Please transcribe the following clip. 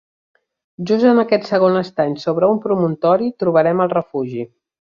Just en aquest segon estany sobre un promontori trobarem el refugi.